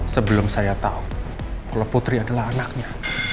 sebelum saya tahu kalau putri adalah anaknya